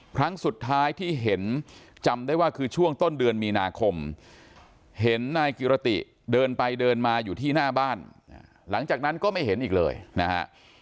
ครั้งสุดท้ายที่เห็นจำได้ว่าคือช่วงต้นเดือนมีนาคมเห็นนายกิรติเดินไปเดินมาอยู่ที่หน้าบ้านหลังจากนั้นก็ไม่เห็นอีกเลยนะฮะ